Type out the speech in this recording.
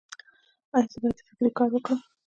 ایا زه باید فکري کار وکړم؟